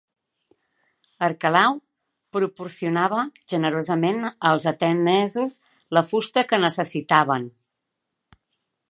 Arquelau proporcionava generosament als atenesos la fusta que necessitaven.